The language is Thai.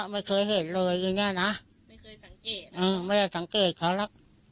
ไม่เคยเห็นเลยอย่างนี้นะไม่ได้สังเกตเขาล่ะ